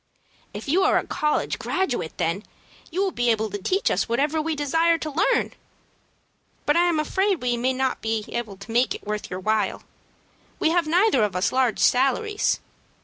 "If you are a college graduate, then, you will be able to teach us whatever we desire to learn. But I am afraid we may not be able to make it worth your while. We have neither of us large salaries.